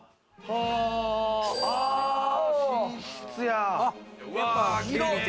寝室や。